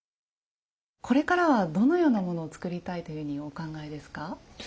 これからはどのようなものを作りたいというふうにお考えですか？